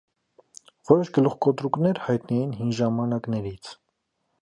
Որոշ գլուխկոտրուկներ հայտնի են հին ժամանակներից։